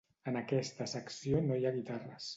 En aquesta secció no hi ha guitarres.